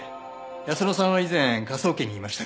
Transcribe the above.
泰乃さんは以前科捜研にいましたから。